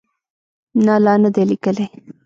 نه، لا نه ده لیکلې